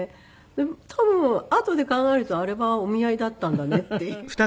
多分あとで考えるとあれはお見合いだったんだねっていう。